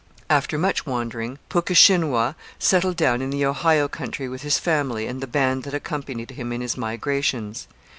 After much wandering, Puckeshinwau settled down in the Ohio country with his family and the band that accompanied him in his migrations.